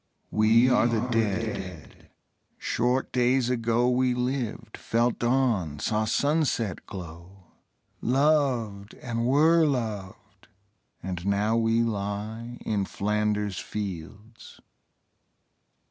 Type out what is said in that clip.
We are the Dead. Short days ago We lived, felt dawn, saw sunset glow, Loved, and were loved, and now we lie In Flanders fields.